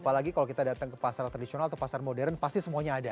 apalagi kalau kita datang ke pasar tradisional atau pasar modern pasti semuanya ada